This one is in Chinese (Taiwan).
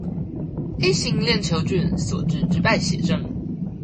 A 型鏈球菌所致之敗血症